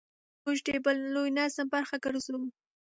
موږ د بل لوی نظم برخه ګرځو.